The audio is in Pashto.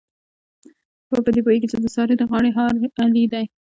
ټول په دې پوهېږي، چې د سارې د غاړې هار علي دی.